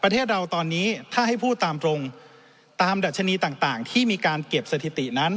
ประเทศเราตอนนี้ถ้าให้พูดตามตรงตามดัชนีต่างที่มีการเก็บสถิตินั้น